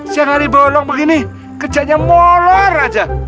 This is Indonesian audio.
siang hari bolong begini kerjanya molor aja